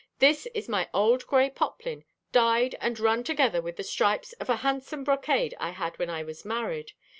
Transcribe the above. This is my old grey poplin, dyed, and run together with the stripes of a handsome brocade I had when I was married.